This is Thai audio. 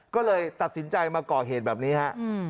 ก็เลยตัดสินใจมาก่อเหตุแบบนี้ฮะ